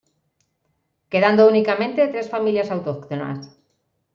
Quedando únicamente tres familias autóctonas.